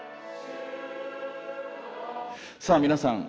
さあ皆さん